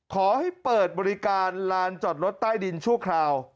ขอให้เปิดบริการลานจอดรถใต้ดินชั่วคราว